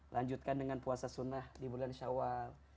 lanjutkan dengan puasa sunnah di bulan syawal